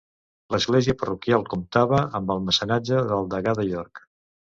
L'església parroquial comptava amb el mecenatge del degà de York.